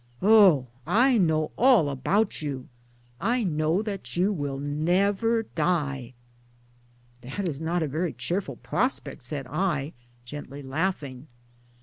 " Oh, I know all about you. / know that you Will never die! "" That is not a very cheerful prospect," said I, gently laughing.